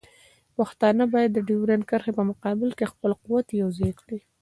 پښتانه باید د ډیورنډ کرښې په مقابل کې خپل قوت یوځای کړي.